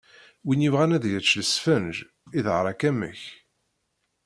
Win yebɣan ad yečč lesfenǧ, iḍher-ak amek.